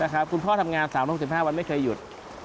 คุณพ่อทำงาน๓ทุ่ม๑๕วันไม่เคยหยุด